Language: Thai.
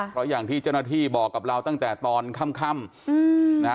เพราะอย่างที่เจ้าหน้าที่บอกกับเราตั้งแต่ตอนค่ำนะฮะ